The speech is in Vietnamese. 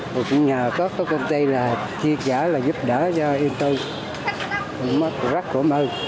cũng nhờ có công ty là chia trả giúp đỡ cho yên tư mất rất khổ mơ